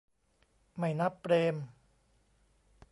ไม่นับเปรม ?